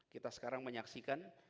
kita sekarang menyaksikan